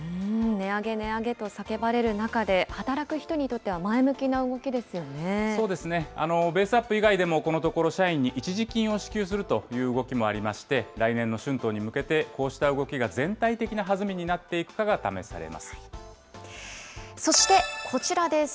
値上げ、値上げと叫ばれる中で、働く人にとっては前向きな動そうですね、ベースアップ以外でも、このところ社員に一時金を支給するという動きもありまして、来年の春闘に向けて、こうした動きが全体的なはずみになってそしてこちらです。